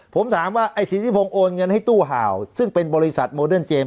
ผมถามว่าไอ้สิทธิพงศ์โอนเงินให้ตู้ห่าวซึ่งเป็นบริษัทโมเดิร์นเจมส